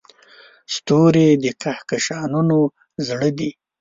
ستوري د کهکشانونو زړه دي.